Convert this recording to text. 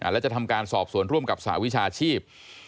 และจะทำการสอบสวนร่วมกับสหวิชาชีพ